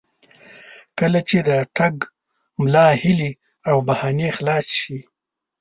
کله چې د ټګ ملا هیلې او بهانې خلاصې شي.